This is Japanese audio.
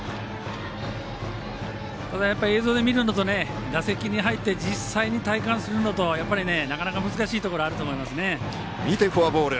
ただ映像で見るのと打席に入って実際に体感するのとなかなか難しいところがあるとフォアボール。